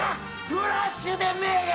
フラッシュで目が！